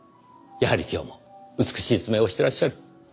やはり今日も美しい爪をしてらっしゃる。